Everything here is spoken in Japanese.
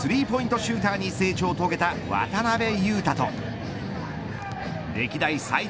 シューターに成長を遂げた渡邊雄太と歴代最多